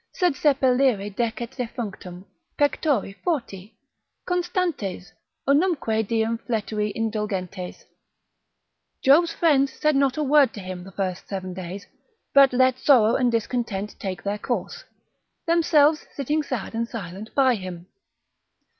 Sed sepelire decet defunctum, pectore forti, Constantes, unumque diem fletui indulgentes. Job's friends said not a word to him the first seven days, but let sorrow and discontent take their course, themselves sitting sad and silent by him.